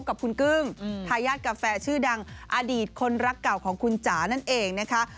กับคุณกึ้งทายาทกาแฟชื่อดังอดีตคนรักเก่าของคุณจ๋านั่นเองนะคะ